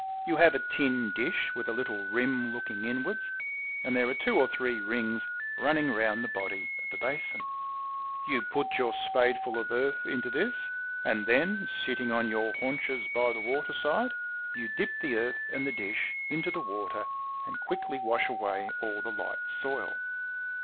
You have a tin dish with a little rim looking inwards, and there are two or three rings running round the body of the basin. You put your spadeful of earth into this, and then, sit ting on your haunches by the water side, you dip the earth and the dish into the water and quickly wash away all the light soil.